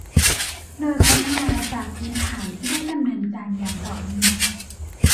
โดยพัฒนาจากพื้นฐานที่ได้ดำเนินการอย่างต่อเนื่อง